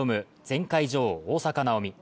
前回女王、大坂なおみ。